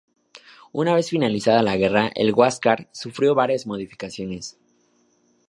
Una vez finalizada la guerra, el "Huáscar" sufrió varias modificaciones.